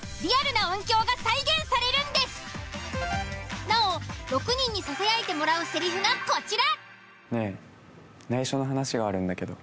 まるでなお６人に囁いてもらうセリフがこちら。